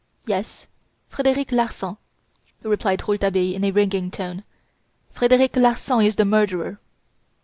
"Yes! Frederic Larsan!" replied Rouletabille in a ringing tone. "Frederic Larsan is the murderer!"